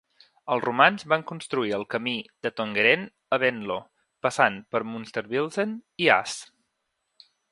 Els romans van construir el camí de Tongeren a Venlo passant per Munsterbilzen i As.